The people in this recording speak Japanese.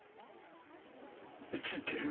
写ってる？